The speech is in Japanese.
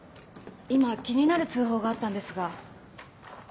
今気になる通報があったんですが。